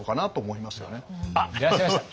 あっいらっしゃいました。